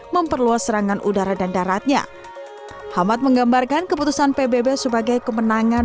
memperluas serangan udara dan daratnya hamad menggambarkan keputusan pbb sebagai kemenangan